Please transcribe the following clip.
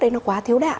đấy nó quá thiếu đạn